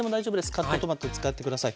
カットトマト使って下さい。